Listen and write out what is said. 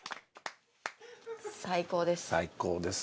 最高です。